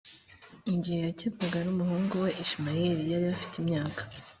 igihe yakebwaga n’umuhungu we ishimayeli yari afite imyaka